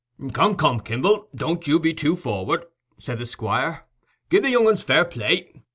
"Come, come, Kimble, don't you be too for'ard," said the Squire. "Give the young uns fair play.